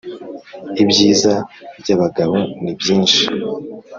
ibyiza byabagabo ni byinshi